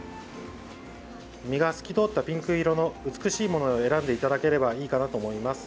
身が透き通ったピンク色の美しいものを選んでいただければいいかなと思います。